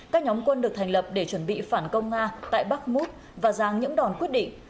các nhóm quân được thành lập để chuẩn bị phản công nga tại bắc muk và giang những đòn quyết định